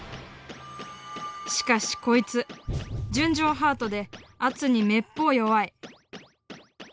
しかしこいつ純情ハートで圧にめっぽう弱い。